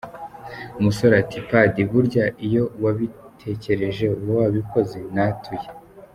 Umusore ati “ Padi burya iyo wabitekereje uba wabikoze, natuye.